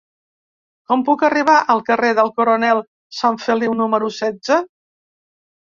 Com puc arribar al carrer del Coronel Sanfeliu número setze?